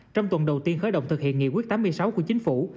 trong tuần đầu tiên khởi động thực hiện nghị quyết tám mươi sáu của chính phủ